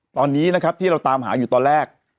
ตอนนี้นะครับที่เราตามหาอยู่ตอนแรก